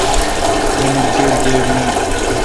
مانیل کیر گیب نان۔